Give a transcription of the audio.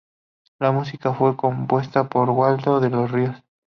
La música fue compuesta por Waldo de los Ríos.